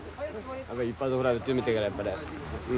一発ぐらい撃ってみてえからやっぱり。